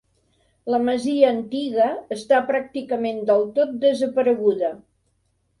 La masia antiga està pràcticament del tot desapareguda.